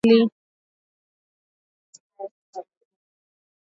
Tatu, ikifuatiwa na Uganda (asilimia themanini na mbili.